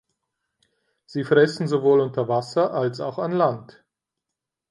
Sie fressen sowohl unter Wasser als auch an Land.